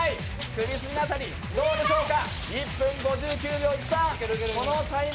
首筋の辺りどうでしょうか。